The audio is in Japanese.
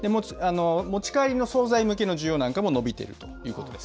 持ち帰りの総菜向けの需要なんかも伸びているということです。